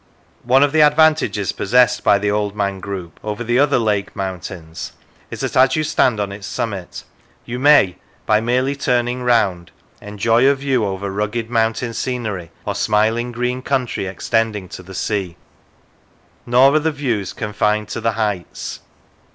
One of the advantages possessed by the Old Man group over the other Lake mountains, is that as you stand on its summit, you may, by merely turning round, enjoy a view over rugged mountain scenery or smiling green country extending to the sea. Nor are the views confined to the heights.